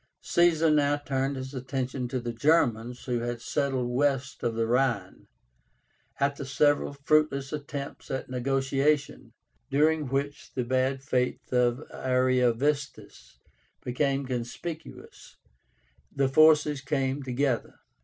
Caesar now turned his attention to the Germans who had settled west of the Rhine. After several fruitless attempts at negotiation, during which the bad faith of Ariovistus became conspicuous, the forces came together.